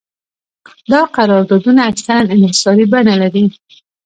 دا قراردادونه اکثراً انحصاري بڼه لري